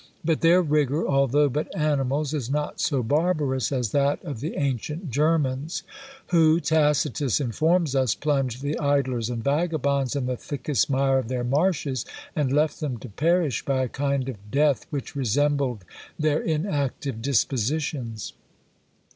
But their rigour, although but animals, is not so barbarous as that of the ancient Germans; who, Tacitus informs us, plunged the idlers and vagabonds in the thickest mire of their marshes, and left them to perish by a kind of death which resembled their inactive dispositions.